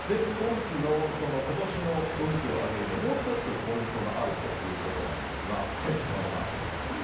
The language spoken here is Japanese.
今年の運気を上げるにはもう１つ、ポイントがあるということなんですが、島田さん。